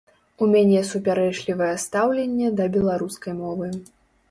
У мяне супярэчлівае стаўленне да беларускай мовы.